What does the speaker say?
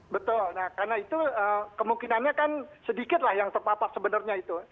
betul nah karena itu kemungkinannya kan sedikit lah yang terpapar sebenarnya itu